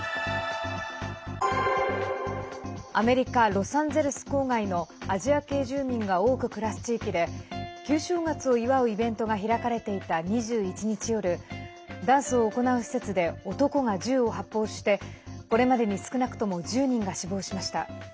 アメリカ・ロサンゼルス郊外のアジア系住民が多く暮らす地域で旧正月を祝うイベントが開かれていた２１日夜ダンスを行う施設で男が銃を発砲してこれまでに少なくとも１０人が死亡しました。